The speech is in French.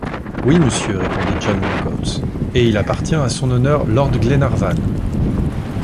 Oui, monsieur, répondit John Mangles, et il appartient à Son Honneur lord Glenarvan.